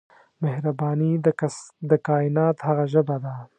مهرباني د کائنات هغه ژبه ده.